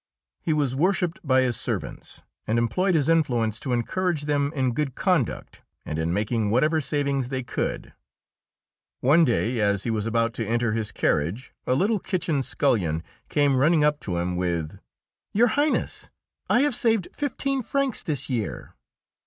He was worshipped by his servants, and employed his influence to encourage them in good conduct and in making whatever savings they could. One day, as he was about to enter his carriage, a little kitchen scullion came running up to him with, "Your Highness, I have saved fifteen francs this year!"